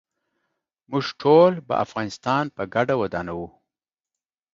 موږ ټول به افغانستان په ګډه ودانوو.